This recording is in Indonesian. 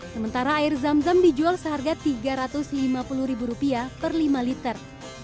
sementara air jam jam dijual seharga tiga ratus lima puluh rupiah per lima liter